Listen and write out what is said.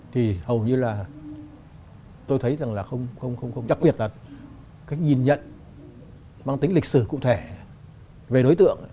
thì hầu như là tôi thấy rằng là không chắc quyệt là cách nhìn nhận mang tính lịch sử cụ thể về đối tượng